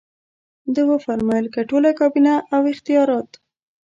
ده وفرمایل که ټوله کابینه او اختیارات.